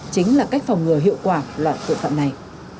chính là cách phòng ngừa hiệu quả loại tội phạm này